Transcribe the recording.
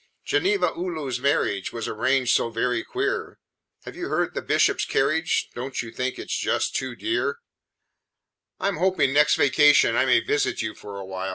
"Genevieve O loola's marriage Was arranged so very queer Have you read 'The Bishop's Carriage'? Don't you think it's just too dear? "I am hoping next vacation I may visit you a while.